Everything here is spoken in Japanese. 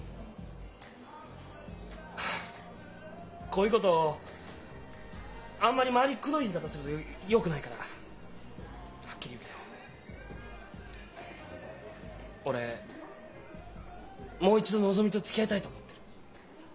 こういうことあんまり回りくどい言い方するとよくないからはっきり言うけど俺もう一度のぞみとつきあいたいと思ってる。